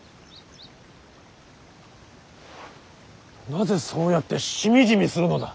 なぜそうやってしみじみするのだ。